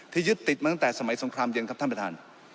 ยึดติดมาตั้งแต่สมัยสงครามเย็นครับท่านประธาน